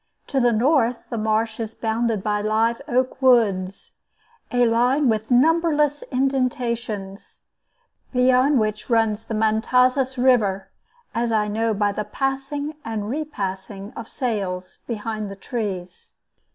To the north the marsh is bounded by live oak woods, a line with numberless indentations, beyond which runs the Matanzas River, as I know by the passing and repassing of sails behind the trees.